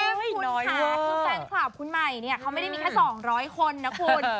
คุณค่ะคือแฟนคลับคุณใหม่เนี่ยเขาไม่ได้มีแค่๒๐๐คนนะคุณ